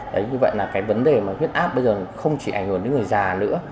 đấy như vậy là cái vấn đề mà huyết áp bây giờ không chỉ ảnh hưởng đến người già nữa